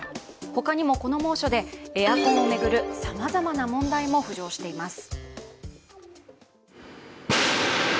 他にもこの猛暑でエアコンを巡るさまざまな問題も浮上しています。